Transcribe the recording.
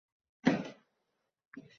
Masalan, barcha ayollar va voyaga etmaganlar